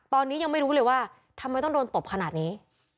ตอนนี้ยังไม่รู้เลยว่าทำไมต้องโดนตบขนาดนี้